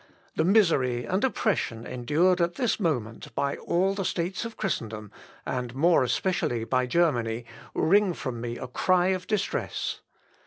The misery and oppression endured at this moment by all the States of Christendom, and more especially by Germany, wring from me a cry of distress.